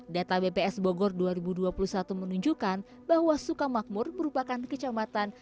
data bps bogor dua ribu dua puluh satu menunjukkan bahwa sukamakmur merupakan kecamatan